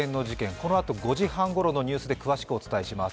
このあと５時半頃のニュースで詳しくお伝えします。